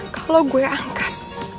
kalau gue angkat